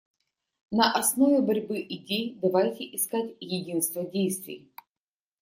На основе борьбы идей давайте искать единство действий.